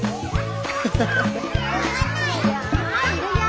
いるよ。